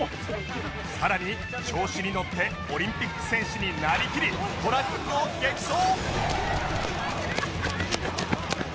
さらに調子にのってオリンピック選手になりきりトラックを激走！